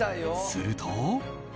すると。